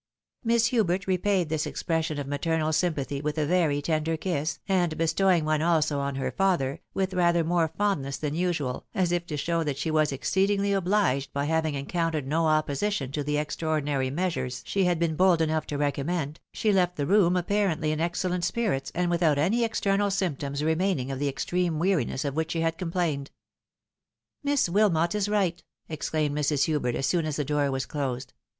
Miss Hubert repaid this expression of maternal sympathy with a very tender kiss, and bestowing one also on her father, with rather more fondness than usuaj, as if to show that she was exceedingly obliged by having encountered no opposition to the extraordinary measures she had been bold enough to recommend, she left the room apparently in excellent spirits, and without any external symptoms remaining of the extreme weariness of which she had complained. " Miss WUmot is right," exclaimed Mrs. Hubert, as soon as the door was closed.